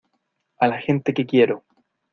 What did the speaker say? a la gente que quiero.